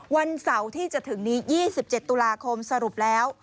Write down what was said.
วันเสาร์ที่จะถึงนี้๒๗ตุลาคมสรุปแล้ว